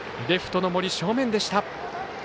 レフトの森正面でした。